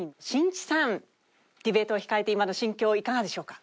ディベートを控えて今の心境いかがでしょうか？